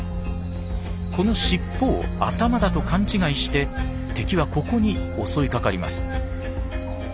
この尻尾を頭だと勘違いして敵はここに襲いかかります。